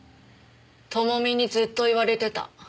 智美にずっと言われてた。